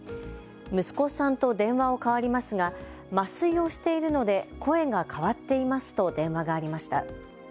息子さんと電話を替わりますが麻酔をしているので声が変わっていますと電話がありました。